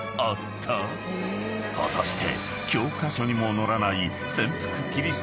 ［果たして］